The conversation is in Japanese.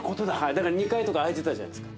だから２階とか空いてたじゃないですか。